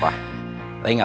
kau mau ke kamar